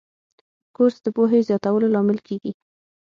کورس د پوهې زیاتولو لامل کېږي.